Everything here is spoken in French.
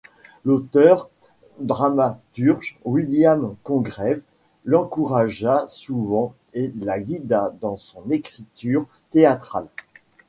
L'auteur dramaturge William Congreve l'encouragea souvent et la guida dans son écriture théâtrale.